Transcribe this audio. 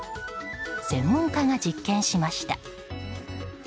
専門家が実験しました。